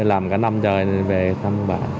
làm cả năm chơi nên về thăm bà